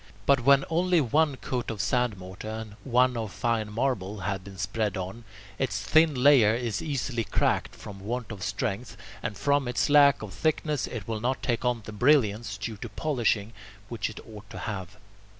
But when only one coat of sand mortar and one of fine marble have been spread on, its thin layer is easily cracked from want of strength, and from its lack of thickness it will not take on the brilliance, due to polishing, which it ought to have.